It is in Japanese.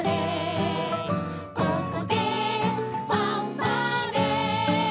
「ここでファンファーレ」